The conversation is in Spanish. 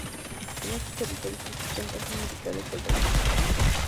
En estos territorios existen bases militares del Reino Unido.